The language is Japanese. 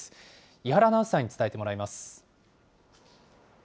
伊原アナウンサーに伝えてもらいます。